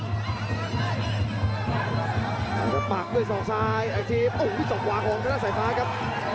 อัคทีฟโหไปด้วย๒ขวาของเมร์ธาตุสายฟ้าครับ